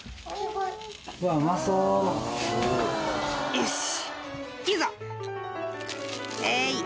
よし！